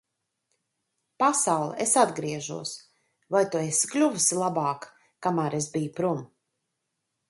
Pasaule, es atgriežos. Vai tu esi kļuvusi labāka, kamēr es biju projām?